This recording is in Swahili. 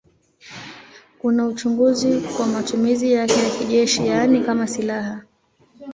Kuna uchunguzi kwa matumizi yake ya kijeshi, yaani kama silaha.